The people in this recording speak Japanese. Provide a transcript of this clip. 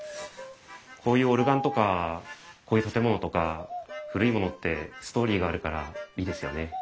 こういうオルガンとかこういう建物とか古いものってストーリーがあるからいいですよね。